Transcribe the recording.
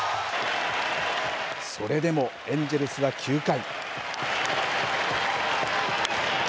それでもエンジェルスは９回。